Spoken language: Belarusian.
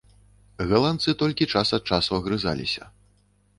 Галандцы толькі час ад часу агрызаліся.